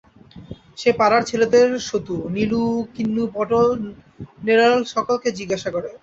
সে পাড়ার ছেলেদের-সতু, নীলু, কিন্নু, পটল, নেড়াসকলকে জিজ্ঞাসা করে।